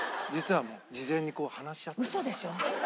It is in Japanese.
ウソでしょ！？